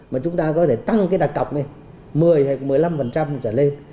mà chúng ta có thể tăng cái đặt cọc này một mươi hay một mươi năm trở lên